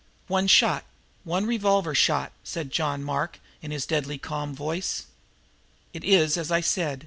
"One shot one revolver shot," said John Mark in his deadly calm voice. "It is as I said.